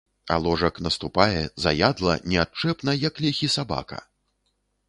А ложак наступае, заядла, неадчэпна, як ліхі сабака.